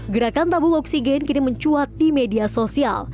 gerakan tabung oksigen kini mencuat di media sosial